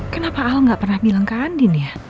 kenapa ahok nggak pernah bilang ke andin ya